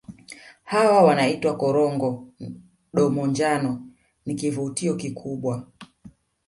Hawa wanaitwa Korongo Domo njano ni kivutio kikubwa